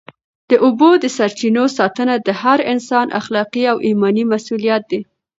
د اوبو د سرچینو ساتنه د هر انسان اخلاقي او ایماني مسؤلیت دی.